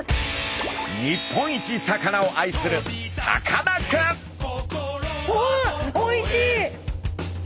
日本一魚を愛するおおおいしい！